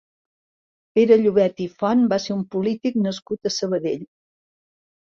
Pere Llobet i Font va ser un polític nascut a Sabadell.